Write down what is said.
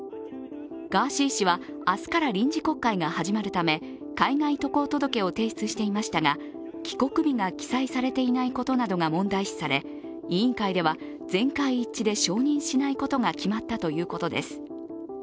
ガーシー氏は、明日から臨時国会が始まるため海外渡航届を提出していましたが、帰国日が記載されていないことなどが問題視され委員会では全会一致で承認しないことが決まったということです。